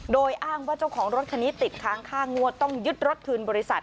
โดยอ้างว่าเจ้าของรถคันนี้ติดค้างค่างวดต้องยึดรถคืนบริษัท